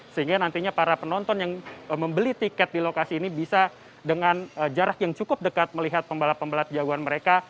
sehingga nantinya para penonton yang membeli tiket di lokasi ini bisa dengan jarak yang cukup dekat melihat pembalap pembalap jagoan mereka